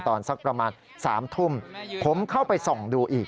สักประมาณ๓ทุ่มผมเข้าไปส่องดูอีก